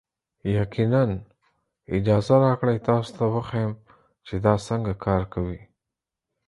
یقینا، اجازه راکړئ تاسو ته وښیم چې دا څنګه کار کوي.